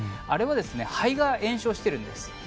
あれは肺が炎症しているんです。